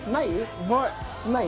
うまい？